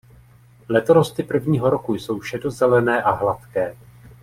Letorosty prvního roku jsou šedozelené a hladké.